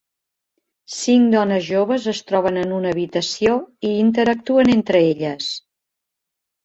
Cinc dones joves es troben en una habitació i interactuen entre elles.